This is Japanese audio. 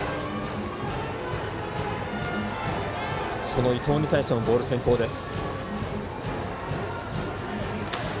この伊藤に対してもボール先行です。